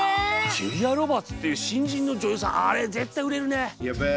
ジュリア・ロバーツっていう新人の女優さんあれ絶対売れるね。